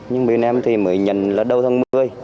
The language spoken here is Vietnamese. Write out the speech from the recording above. nhưng bên em thì mới nhận là đầu tháng một mươi